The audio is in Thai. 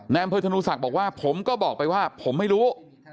อำเภอธนูศักดิ์บอกว่าผมก็บอกไปว่าผมไม่รู้